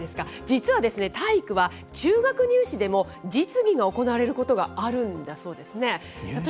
実はですね、体育は中学入試でも実技が行われることがあるんだそうですね。